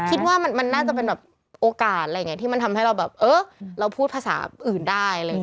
คิดว่ามันน่าจะเป็นแบบโอกาสอะไรอย่างนี้ที่มันทำให้เราแบบเออเราพูดภาษาอื่นได้อะไรอย่างนี้